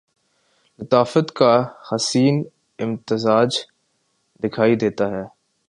لطافت کا حسین امتزاج دکھائی دیتا ہے